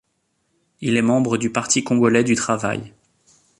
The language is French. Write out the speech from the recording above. Il est membre du Parti congolais du travail.